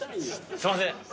すいません。